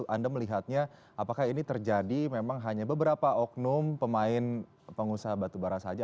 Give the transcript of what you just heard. anda melihatnya apakah ini terjadi memang hanya beberapa oknum pemain pengusaha batubara saja